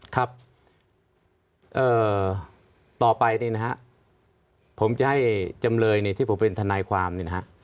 ครับต่อไปเนี่ยนะฮะผมจะให้จำเลยเนี่ยที่ผมเป็นทนายความเนี่ยนะฮะ